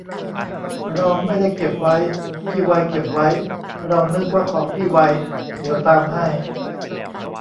เราไม่ได้เก็บไว้ พี่ไวเก็บไว้ เรานึกว่าของพี่ไว เดี๋ยวตามให้